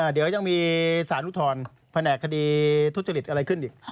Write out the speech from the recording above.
เดี๋ยวยังมีสารอุทธรณ์แผนกคดีทุจริตอะไรขึ้นอีก